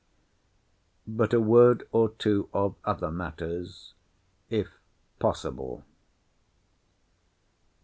But a word or two of other matters, if possible.